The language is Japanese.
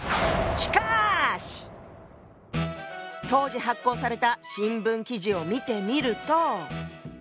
当時発行された新聞記事を見てみると。